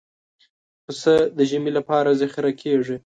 پسه د ژمي لپاره ذخیره کېږي.